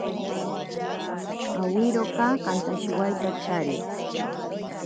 Awiroka kantashiwaitachari.